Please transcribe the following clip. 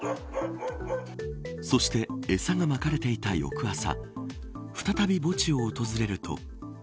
そしてエサがまかれていた翌朝再び墓地を訪れると。